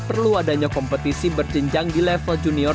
perlu adanya kompetisi berjenjang di level junior